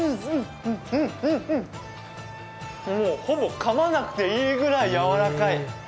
ほぼかまなくていいぐらいやわらかい。